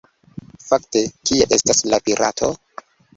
Fakte, kie estas la pirato?